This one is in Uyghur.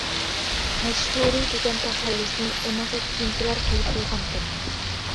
«مەشھۇرى» دېگەن تەخەللۇسنى ئۇنىڭغا كېيىنكىلەر قويۇپ قويغانىكەن.